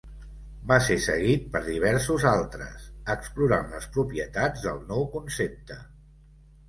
Va ser seguit per diversos altres, explorant les propietats del nou concepte.